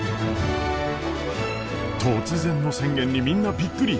突然の宣言にみんなびっくり！